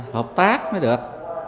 hợp tác mới được